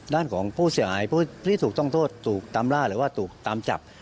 ด้านของผู้เสียหายผู้ที่ถูกต้องโทษถูกตามล่าหรือว่าถูกตามจับ